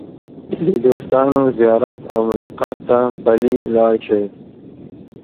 د دوستانو زیارت او ملاقات ته پلي لاړ شئ.